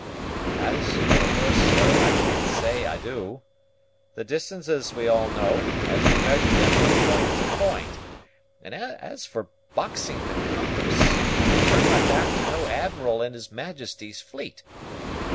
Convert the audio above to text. "As for the first, sir, I can't say I do. The distances we all know, as we measure them from point to point; and as for boxing the compass, I will turn my back to no admiral in his Majesty's fleet.